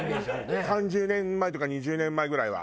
３０年前とか２０年前ぐらいは。